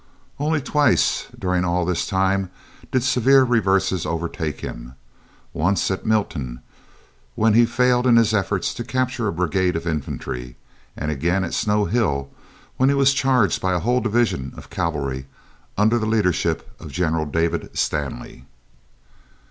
Only twice during all this time did severe reverse overtake him—once at Milton, when he failed in his efforts to capture a brigade of infantry, and again at Snow Hill, when he was charged by a whole division of cavalry under the leadership of General David Stanley.